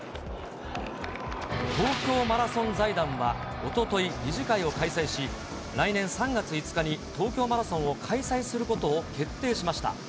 東京マラソン財団はおととい、理事会を開催し、来年３月５日に、東京マラソンを開催することを決定しました。